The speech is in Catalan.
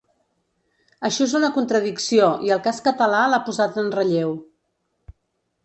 Això és una contradicció i el cas català l’ha posat en relleu.